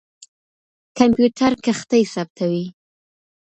کمپيوټر کښتۍ ثبتوي.